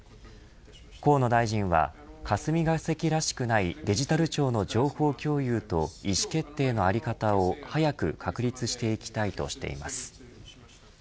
河野大臣は霞が関らしくないデジタル庁の情報共有と意思決定の在り方を早く確立していきたいとしています。